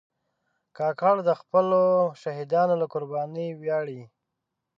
کاکړ د خپلو شهیدانو له قربانۍ ویاړي.